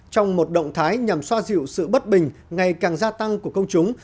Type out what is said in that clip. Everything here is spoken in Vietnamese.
trong một động thái nhằm xoa dịu sự bất bình ngày càng gia tăng của công chúng